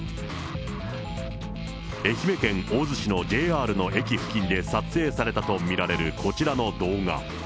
愛媛県大洲市のＪＲの駅付近で撮影されたと見られるこちらの動画。